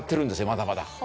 まだまだ。